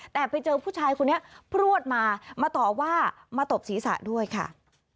แต่ไปเจอผู้ชายคนนี้พลวดมามาต่อว่ามาตบศีรษะด้วยค่ะ